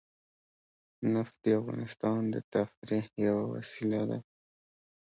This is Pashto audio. نفت د افغانانو د تفریح یوه وسیله ده.